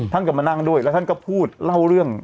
ท่านก็มานั่งด้วยแล้วท่านก็พูดเล่าเรื่อง